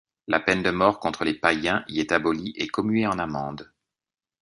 La peine de mort contre les païens y est abolie et commuée en amendes.